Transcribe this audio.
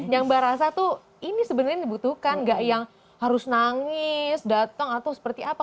yang mbak rasa tuh ini sebenarnya dibutuhkan gak yang harus nangis datang atau seperti apa